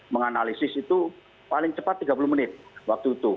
menganalisis itu paling cepat tiga puluh menit waktu itu